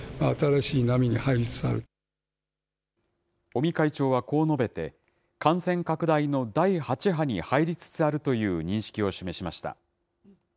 尾身会長はこう述べて、感染拡大の第８波に入りつつあるという認識を示しました。